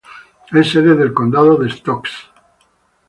Es sede del condado de Stokes.